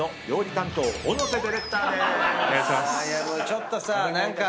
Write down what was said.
ちょっとさ何か。